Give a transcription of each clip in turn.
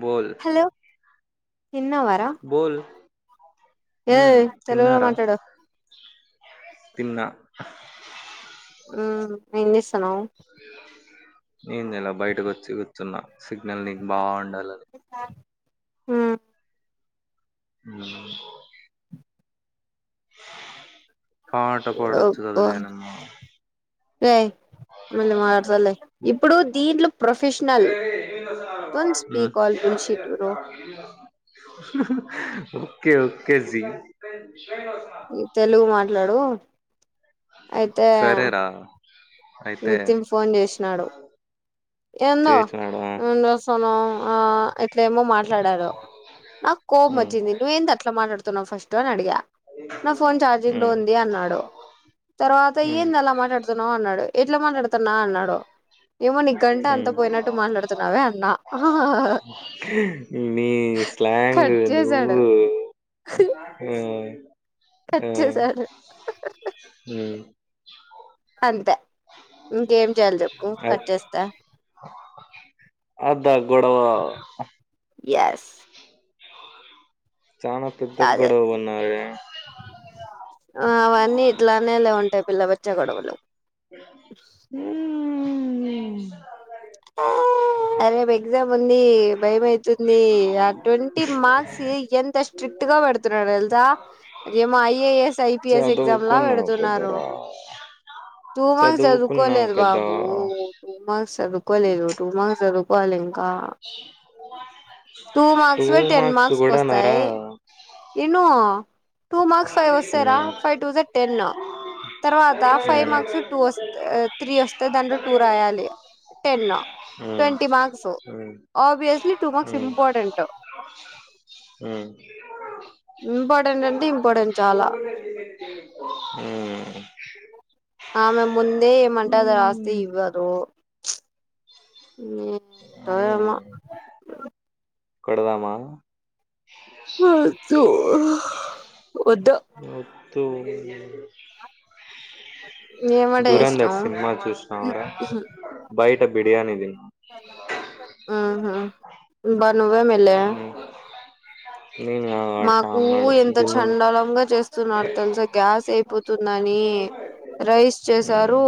బోల్ తిన్నావా రా బోల్ హ్మ్ ఏయ్ తెలుగులో తిన్నారా మాట్లాడు తిన్నా ఉమ్ ఏం చేస్తానావ్ ఏం చేయలే బయటకు వచ్చి కూర్చున్నా సిగ్నల్ నీకు బా ఉండాలని ఉమ్ ఉమ్ పాట పాడొచ్చు కదా అబ్బా జనమ్మా ఏయ్ మళ్ళీ మాట్లాడుతాలే ఇప్పుడు దీంట్లో professional don't um speak all bullshit bro okay okay G Telugu మాట్లాడు అయితే సరేరా అయితే నితిన్ ఫోన్ చేసినాడు ఏందో చేసినాడు ఏం చేస్తున్నావ్ ఆ ఇట్లేమో మా ట్లాడారు నాకు కోపం హ్మ్ వచ్చింది నువ్ ఏంద అట్లా మాట్లాడుతున్నావ్ ఫస్ట్ అని అడిగ నా ఫోన్ చార్జింగ్ లో హ్మ్ ఉంది అన్నాడు తర్వాత హ్మ్ ఏంది అలా మాట్లాడుతున్నావు అన్నాడు ఎట్లా మాట్లాడతనా అన్నాడు ఏమో నీ గంట అంత హ్మ్ పోయినట్టు మాట్లాడుతున్నావే అన్నా నీ స్లాంగ్ కట్ నువ్వు చేసాడు ఉ కట్ ఊ చేసాడు ఉ అంతే, ఇంకేం చేయాలి చెప్పు అ కట్ చేస్తా అదా గొడవ ఆ ఎస్ చాన పెద్ద అదే గొడవున్నదే ఆ అవన్నీ ఇట్లానేలే ఉంటయి పిల్ల బచ్చ గొడవలు ఊ అరేప్ ఎగ్జామ్ ఉంది భయమైతుంది, ఆ ట్వంటీ మార్క్స్ ఎంత స్ట్రిక్ట్ గా పెడుతున్నరు తెల్ సా అదేమో ఐఏఎస్ ఐపీఎస్ ఎగ్జామ్ లా చదువుకున్నావు పెడుతున్నారు. కదరా టూ మార్క్స్ చదువుకున్నావు చదువుకోలేదు కదా బాబు, టూ మార్క్స్ చదువుకోలేదు. టూ మార్క్స్ చదువుకోవలి ఇంకా. టూ మార్క్స్ వే టెన్ మార్క్స్ కొస్తాయి ఇను టూ మార్క్స్ ఫైవ్ వస్తయిరా, ఉమ్ ఫైవ్ టూజ టెన్. తర్వాత ఫైవ్ ఉమ్ మార్క్స్ వి టూ వస్త్ ఆ త్రీ వస్తాయి, దాంట్లో టూ రాయాలి. ఎన్ ట్వంటీ మార్క్స్ ఉమ్ ఓ అబ్వియోస్లీ టూ మార్క్స్ ఉమ్ ఇంపార్టెంట్ ఉమ్ ఉమ్ ఇంపార్టెంట్ అంటే ఇంపార్టెంట్ చాలా ఆమె ముందే ఏమంటది రాస్తే ఇవ్వదు ఏంటో ఏమో కొడదమా వద్దు వద్దు ఓ తూ ఏం వంట చేస్నవ్? సినిమా చూసినావరా బయట బిర్యానీ తిన్నా ఆహా బ నువ్వే మెలే ఉమ్. నేను కాదు వాడు మాకూ శ్యామ్ గాడు ఎంత జిమ్ హ్మ్ చెండాలంగ చేస్తున్నారు తెలుసా. గ్యాస్ అయిపో తుందని రైస్ చేసారు,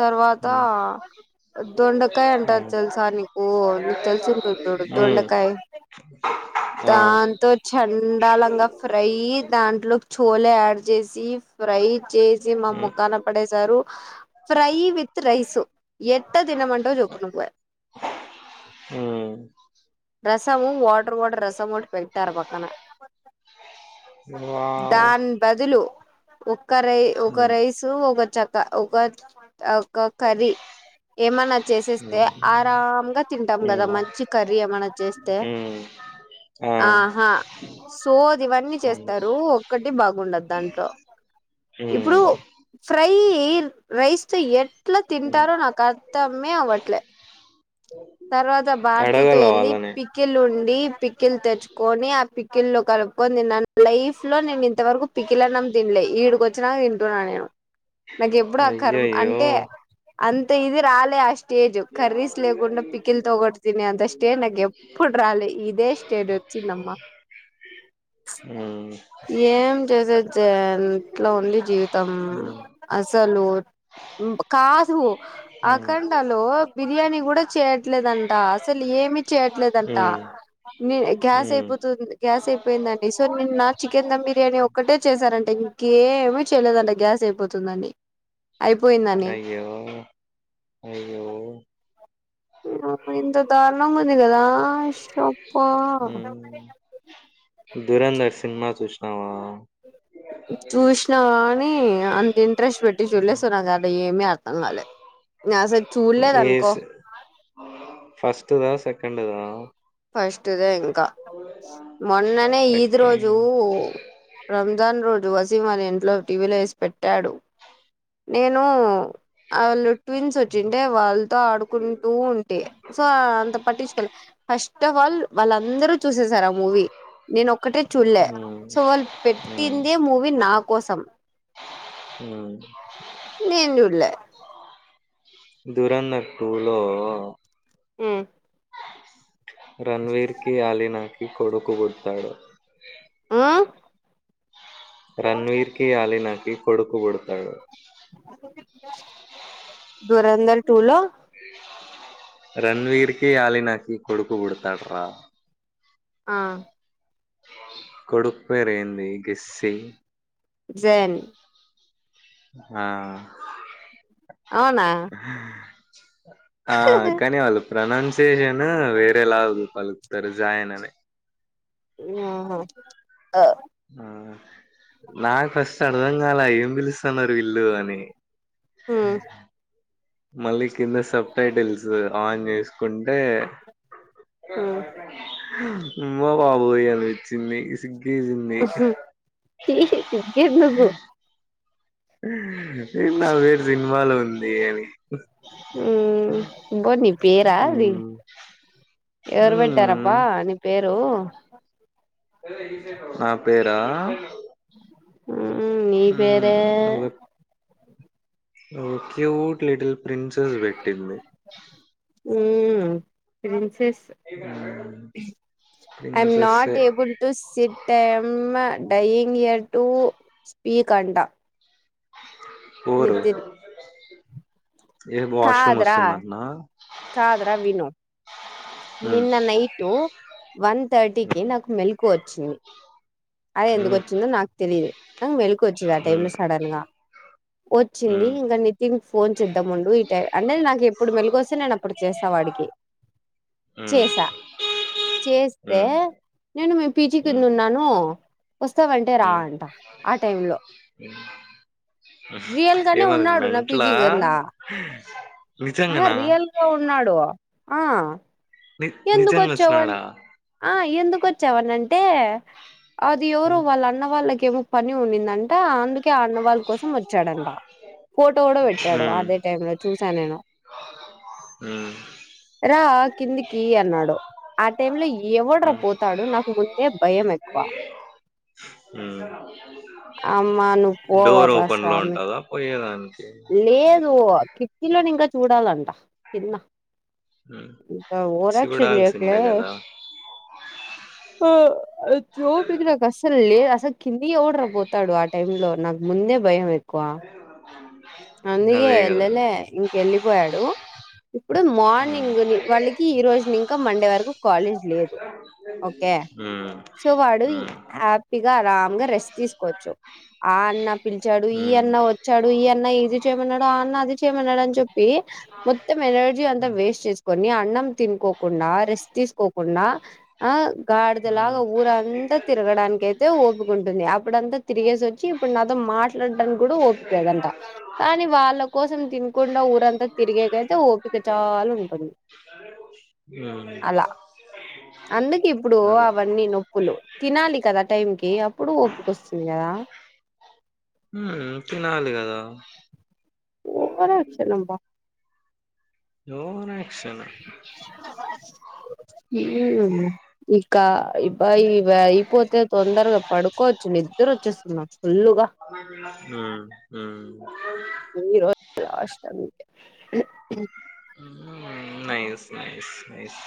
తర్వాత హ్మ్ హ్మ్ దొండకాయ అంటారు హ్మ్ తెలుసా నీకు, నీకు తెలుసుంటుంది చూడు దొండకాయ్. ఆ తో చెండాలంగ ఫ్రై, దాంట్లోక్ చోలే ఆడ్ చేసి ఫ్రై చేసి మా హ్మ్ మోకాన పడేసారు. ఫ్రై విత్ త్ రైసు, ఎట్ట తినమంటావ్ చెప్పు నువ్వే. హ్మ్ రసము, వాటర్ వాటర్ రాసమోటి పెట్టారు పక్కన. వావ్ దాన్ బదులు ఒక రై ఒక హ్మ్ రైసు, ఒక చ త ఒక త ఒక కర్రీ ఏమన్న చేసేస్తే హ్మ్ ఆరాం గ తింటాం కదా, మంచి కర్రీ ఏమన్న ఉ ఆ ఆహా సోది ఇవన్నీ చేస్తారు, ఒక్కటి బాగుండదు దాంట్లో. ఇప్పుడు హ్మ్ హ్మ్ ఫ్రై అయి రైస్తో ఎట్ల తింటారో నాకు అర్థమే అవ్వట్లే తర్వాత భారతితో అడగల వెళ్ళి, వాళ్ళని పిక్కిల్ ఉండి పిక్కిల్ తెచ్చుకొని, ఆ పిక్ కిల్లు కలుపుకొనీ తిన్నాన్. లైఫ్ లో నేను ఇంతవరకు పికిల్ అన్నం తిన్లే, ఈడికొచ్చినాక తింటున్నా నేను. నాకు ఎప్పుడు ఆ కర్ అయ్యయ్యో అంటే అంత ఇది రాలే ఆ స్టేజ్, ఉమ్ కర్రీస్ లేకుండ ఉమ్ ఇల్తో కూడ తినేంత స్టేజ్ ఎప్పుడు రాలే, ఇదే స్టేజ్ వచ్చిందమ్మ. ఉమ్ ఏం చేసే జాన్ ఇట్ల ఉంది జీవితం ఉమ్ అసలు కాదు అఖండ లో బిర్యానీ కూడా చేయట్లేదంట అసలు ఏమి చేయట్లేదంట ఉమ్ నే గ్యాస్ ఉమ్ అయిపోతు గ్యాస్ అయిపోయిందండి సో నే చికెన్ దమ్ బిర్యానీ ఒక్కటే చేశారంటే ఇంకేమీ చేయలేదంట గ్యాస్ అయిపోతుందని అయిపోయిందని అయ్యో అయ్యో ఇంత దారుణంగా ఉంది కదా ఆ ఉమ్ దురంధర్ సినిమా చూసినావా చూసినా కానీ అంత ఇంట్రెస్ట్ పెట్టి చూలేస్తున్నా కదా ఏమి అ అర్ధం కాలే నేను అసలు ఏ చూడలేదనుకో సి ఫస్ట్దా సెకండ్దా ఫస్ట్దే ఇంకా మొన్ననే ఈది రోజు సెకండ్ రంజాన్ రోజు వసీం అనే ఇంట్లో టీవీలో వేసి పెట్టాడు నేను వాళ్ళు ట్విన్స్ వచ్చింటే వాళ్ళతో ఆడుకుంటూ ఉంటే సో అంత పట్టించుకోళ ఫస్ట్ ఆఫ్ ఆల్ వాళ్ళందరుూ చూసే సారు ఆ మూవీ నేను ఒక్కటే చూడలే ఉమ్ సో వాళ్ళు ఉమ్ పెట్టిందే మూవీ నా కోసం ఉమ్ నేను చూడలే దురంధ టు లో ఉమ్ రణవీర్ కి ఆలీనాకిి కొడుకు పుట్టాడు ఆ రన్వీర్ కి ఆలీనాకి కొడుకు పుడుతాడు దురంధర్ టూలో రన్వీర్కి ఆలీనకి కొడుకు పుడతాడు రా ఆ కొడుకు పేరు ఏంది గెస్ చెయ్యి జన్ ఆ అవునా ఆ కానీవాళ్ళు ప్రనౌన్సియేషన్ వేరేలాగు పలుకుతారు జాయన అనే ఆ ఆహా ఆ నాకు ఫస్ట్ అర్థం కాల ఏం పిలుస్తున్న వీళ్లు అని మళ్ళీ కింద సబ్ టైటిల్స్ ఆన్ చేసుకుం అంటే ఉమ్మ బాబోయ్ అని వచ్చింది ఈ జింది సిగ్గేది నీకు నా వేరు సినిమాలో ఉంది అని అబ్బో నీ పేరా అది మ్మ్మ్మ్ ఎవరు పెట్టారప్ప అని పేరు నా పేరా హ్మ్మ్ నీ మ్మ్ పేరే ఓ క్యూట్ లిటిల్ ప్రిన్సెస్ పెట్టింది హ్మ్మ్ ప్రిన్సెస్ మ్మ్ అన్న ప్రిన్సెస్సే టేబుల్ టూ సిట్ అన్నా డైయినెట్టు స్పీక్ అంట ఓరు నితిన్ ఏ వాష్రూమ్ కాదురా వస్తుందట్నా కాదురా విను మ్మ్ నిన్న నైటు వన్ థర్టీకి నాకు మ్మ్ మెల్కు ఓచ్చింది అదే ఎందుకు ఓచ్చిందో నాకు తెలీదు ఆ మెలుకువ వచ్చింది ఆ టైమ్ మ్మ్ లో సడన్ గా వోచ్చింది మ్మ్ ఇంగ నితిన్ ఫోన్ చేద్దాం ముండు ఈ టై అంటే నాకు ఎప్పుడు మెలుకువ వస్తే నేను అప్పుడు చేస్త వాడికి [inaudible] మ్మ్ చేసా చేస్తే మ్మ్ నేను మీ పీజీ కింద ఉన్నాను వస్తావంటే రా ఉమ్ అంట ఆ టైమ్ లో ఉమ్ రియల్ గానే ఏమది ఉన్నాడు నా మెంట్లా పీజీ కింద ఆ రియల్గా ఉన్నాడు ఆ ని ఎందు నిజంగా కొచ్చవ్ అం వచ్చినాడా ఆ ఎందు కొచ్చావనంటే అది ఎవరో మ్మ్ వాళ్ళ అన్న వాళ్ళకేమో పని ఉండిందంట అందుకే ఆ అన్నవాళ్ళ కోసం వొచ్చాడంట ఫోటో గూడా బెట్టాడు మ్మ్ అదే టైం లో చూసా నేను మ్మ్ రా కిందికీ అన్నాడు ఆ టైము లో ఎవడ్రా మ్మ్ పోతాడు నాకు ముందే భయం మేక్కువ మ్మ్. అమ్మా నువ్ పో డోర్ అబ్బా ఓపెన్ లో స్వామి ఉంటదా పోయేదానికి లేదు కిటికిలోని ఇంక చూడాలంట కింద మ్మ్ ఇంకా ఓవరాక్షన్ జేయకులే చూడాల్సిండే కదా ఆ వోపిక నాకు అసలు లేదు అసలు కింది ఎవడ్రా పోతాడు ఆ టైమ్ లో నా ముందే భయం ఎ [inaudible] అందుకే అదే కదా ఎళ్లలే ఇంకెళ్ళిపోయాడు ఇప్పుడు హ్మ్ మార్నింగ్ ని వాళ్ళకి ఈ రోజు నింకా మండే వరకు కాలేజ్ లేదు ఓకే ఉమ్ సో వాడు ఇ హ్యాపీగా ఆరాంగ రెస్ట్ తీసుకోవచ్చు ఆ అన్న పిలిచాడు ఈ హ్మ్ అన్న వచ్చాడు ఈ అన్న ఇది చేయమన్నాడు ఆ అన్న అది చేయమన్నాడు అని చెప్ ప్పి మొత్తం ఎనర్జీ అంతా వేస్ట్ చేసుకోని మీ అన్నం తినుకోకుండా రెస్ట్ తీసుకోకుండా ఆ హ్మ్ గాడిదలాగా ఊరంత తిరగడానికి అయితే ఓపుకుంటుంది అప్పుడంత తిరిగేసి వచ్చి ఇప్పుడు నాతో మాట్లాడానికి గూడ ఓపికలేదంట కానీ వాళ్ళ కోసం తినకుండా ఊరంతా తిరిగేకైతే ఓపిక చాలా ఉంటుంది ఉమ్ అలా అందుకు ఇప్పుడు అవన్నీ నొప్పులు తినాలి కదా టైం కి అప్పుడు ఓపిక వస్తుంది గదా ఉమ్ హు తినాలి గదా ఓవరాక్షన్ అబ్బా ఓవరాక్షన్ [inaudible] ఇకా ఇబ ఇ వయిపోతే తొందరగా పడుకోవచ్చు నిద నిద్దరోచ్చే స్తుంది నాకు ఫుల్లుగా ఉమ్ ఉమ్ ఈ రోజు లాస్ట్ అంతే um nice nice nice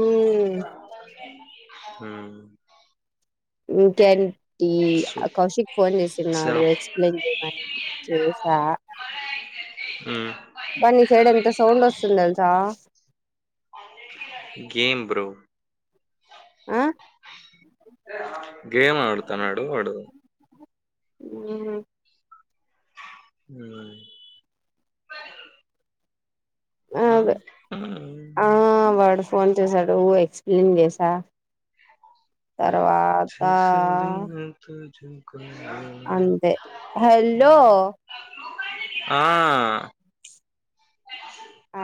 um um ఇంకేంటీ సూప్ కౌశిక్ ఫోన్ చేసిన్నాడు సప్ ఎక్స్ప్లెయిన్ చేయమని చేసా ఉమ్ అబ్బా నీ సైడ్ ఎంత సౌండ్ వస్తుంది తెలుసా గేమ్ బ్రో ఆ గేమ్ ఆడుతన్నాడు ఆడు ఉమ్ ఉమ్ ఉమ్. అదే ఉమ్. ఆ వాడ్ ఫోన్ చేసాడు ఎక్స్ప్లెయిన్ చేసా తర్వాత చేసేదిన తుజుకో. అంతే హలో ఆ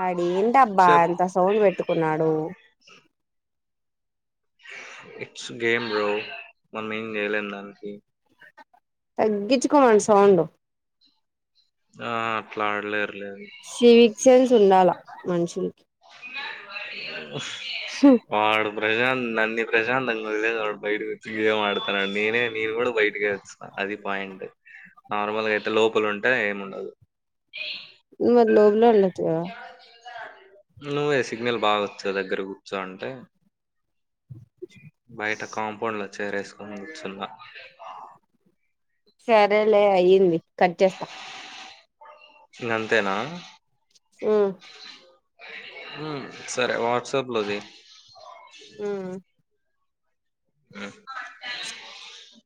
ఆడెంటబ్బా చెప్ అంత సౌండ్ పెట్టుకున్నాడు ఇట్స్ గేమ్ బో మనం ఏం చేయలేం దానికి తగ్గించుకోమను సౌండు ఆ అట్లా ఆడలేర్ శివిక్సేన్స్ ఉండాలా మనుషులకి వాడు ప్రశాంత్ నన్నీ ప్రశాంతంగా వదిలేసి వాడు బయటకి వచ్చి గేమాడతాండు నేనే నేను కూడా బయటకే వొచ్చిన అది పాయింట్ నార్మల్గా అయితే లోపల ఉంటే ఏముండదు మర్ లోపలే ఉండొచ్చుగా నువ్వే సిగ్నల్ బాగొచ్చే దగ్గర కూర్చో అంటే బయట కాంపౌండ్ లో చేరేసుకోని కూచున్నా సరేలే అయింది కట్ చేస్తా ఇంగంతేనా ఉమ్ మ్మ్ సరే వాట్సాప్ లో జేయి హ్